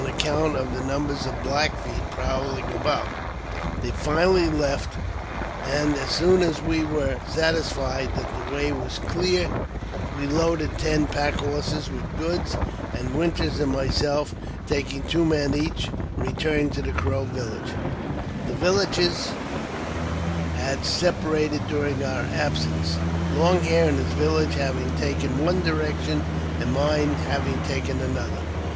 account of the numbers of Black Feet prowling about. They finally left, and as soon as we were satisfied that the way was clear, we loaded ten pack horses with goods, and Winters an( myself — taking two men each — returned to the Crow villager The villages had separated during our absence; Long Hair and his village having taken one direction, and mine having taken another.